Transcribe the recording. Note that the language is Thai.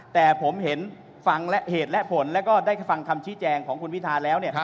แต่ผมเห็นฟังและเหตุและผลแล้วก็ได้ฟังคำชี้แจงของคุณพิธาแล้ว